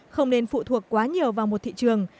không nên phụ thuộc quá nhiều vào một thị trường